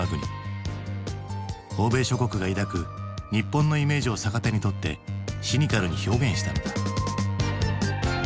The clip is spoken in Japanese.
欧米諸国が抱く日本のイメージを逆手にとってシニカルに表現したのだ。